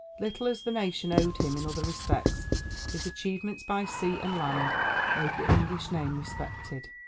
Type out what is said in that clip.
Little as the nation owed him in other respects, his achievements by sea and land made the English name respected.